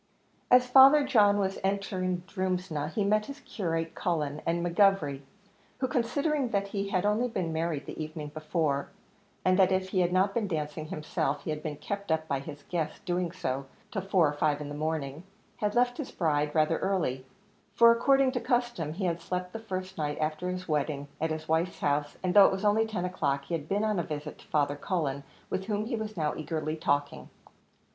As Father John was entering Drumsna, he met his curate, Cullen, and McGovery, who, considering that he had only been married the evening before, and that if he had not been dancing himself, he had been kept up by his guests' doing so till four or five in the morning, had left his bride rather early; for, according to custom, he had slept the first night after his wedding at his wife's house, and, though it was only ten o'clock, he had been on a visit to Father Cullen, with whom he was now eagerly talking.